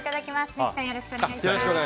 三木さん、よろしくお願いします。